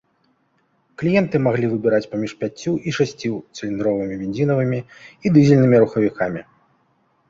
Кліенты маглі выбіраць паміж пяццю- і шасціцыліндравымі бензінавымі і дызельнымі рухавікамі.